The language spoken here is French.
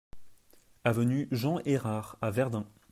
Avenue Jean Errard à Verdun